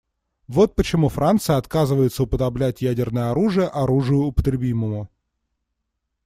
Вот почему Франция отказывается уподоблять ядерное оружие оружию употребимому.